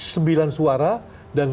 sembilan suara dan